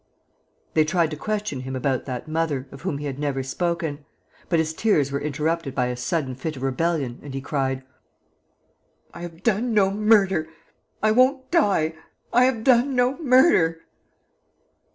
They tried to question him about that mother, of whom he had never spoken; but his tears were interrupted by a sudden fit of rebellion and he cried: "I have done no murder.... I won't die. I have done no murder...."